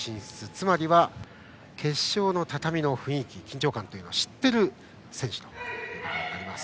つまりは、決勝の畳の雰囲気緊張感というのは知っている選手ということになります。